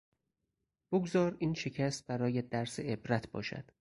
بگذار این شکست برایت درس عبرت باشد!